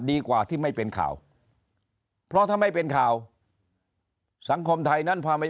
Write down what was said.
ดีกว่าที่ไม่เป็นข่าวเพราะถ้าไม่เป็นข่าวสังคมไทยนั้นพาไป